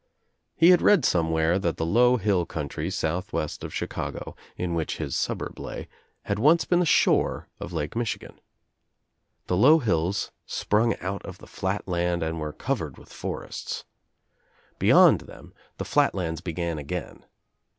He had read somewhere that the low hill country southwest of Chicago, in which his suburb lay, had once been the shore of Lake Michigan. The low hills sprang out of the flat land and were covered with forests. Beyond them the Bat lands began again.